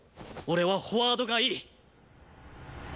俺はフォワードがいい！